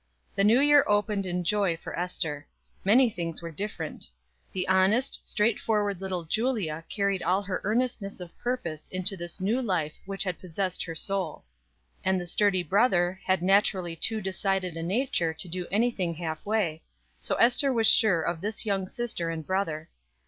The new year opened in joy for Ester; many things were different. The honest, straightforward little Julia carried all her earnestness of purpose into this new life which had possessed her soul; and the sturdy brother had naturally too decided a nature to do any thing half way, so Ester was sure of this young sister and brother.